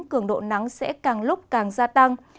cường độ nắng sẽ càng lúc càng gia tăng